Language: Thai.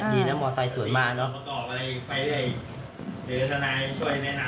ดีนะมอไซส์สวยมากนะ